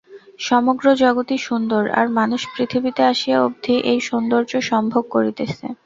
সমগ্র জগৎই সুন্দর, আর মানুষ পৃথিবীতে আসিয়া অবধি এই সৌন্দর্য সম্ভোগ করিতেছে।